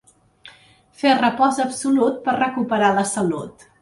Fer repòs absolut per recuperar la salut.